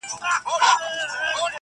ستا د ژوند په آشیانه کي،